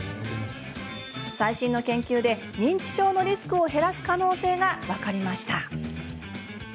最新の研究で認知症のリスクを減らす可能性が分かりました。